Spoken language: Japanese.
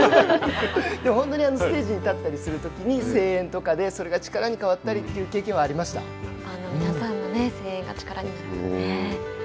本当にステージに立ったりするときに声援とかでそれが力に変わったりという皆さんの声援が力になるんですね。